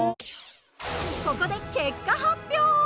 ここで結果発表！